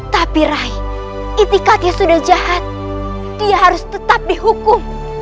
tapi rai itikatnya sudah jahat dia harus tetap dihukum